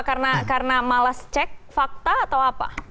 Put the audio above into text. karena malas cek fakta atau apa